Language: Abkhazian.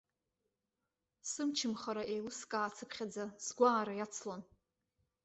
Сымчымхара еилыскаацыԥхьаӡа сгәаара иацлон.